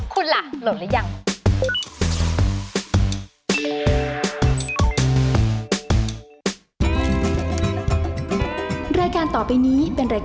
คุณล่ะโหลดแล้วยัง